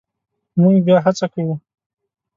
مونږ بیا هڅه کوو